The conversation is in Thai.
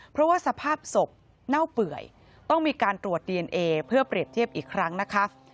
เพราะว่าสภาพศพเน่าเปื่อยต้องมีการตรวจดีเอนเอเพื่อเปรียบเทียบอีกครั้งนะคะ